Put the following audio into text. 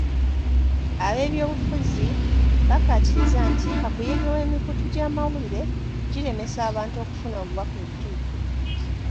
Ab'ebyobufuzi bakkaatiriza nti kakuyege w'emikutu gy'amawulire giremesa abantu okufuna obubaka obutuufu.